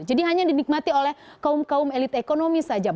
jadi hanya dinikmati oleh kaum kaum elit ekonomi saja